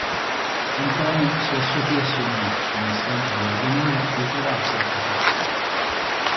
Antonio si assopì e sognò, come sempre gli avveniva, di trovarsi a casa sua.